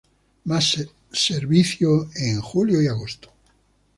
Más servicio en Julio y Agosto.